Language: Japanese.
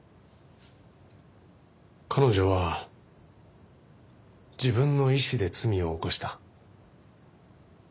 彼女は自分の意思で罪を犯した。